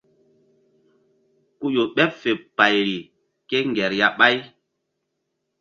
Ku ƴo ɓeɓ fe payri kéŋger ya ɓáy.